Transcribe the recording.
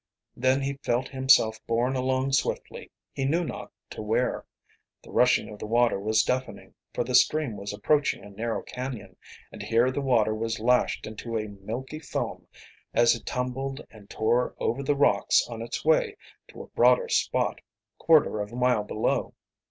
Then he felt himself borne along swiftly, he knew not to where. The rushing of the water was deafening, for the stream was approaching a narrow canyon, and here the water was lashed into a milky foam as it tumbled and tore over the rocks on its way to a broader spot quarter of a mile below.